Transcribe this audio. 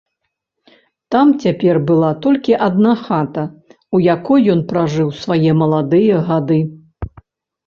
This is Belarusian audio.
Там цяпер была толькі адна хата, у якой ён пражыў свае маладыя гады.